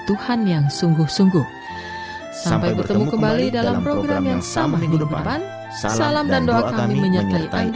tuhan yang sabar telah menungguku